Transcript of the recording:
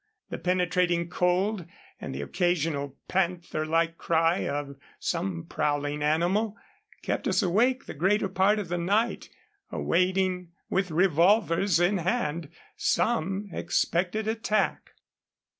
The penetrating cold, and the occasional panther like cry of some prowling animal, kept us awake the greater part of the night, awaiting with revolvers in hand some expected attack.